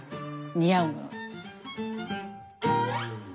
似合うもの。